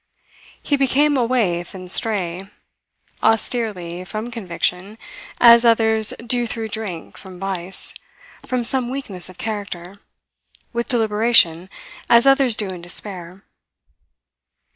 He became a waif and stray, austerely, from conviction, as others do through drink, from vice, from some weakness of character with deliberation, as others do in despair.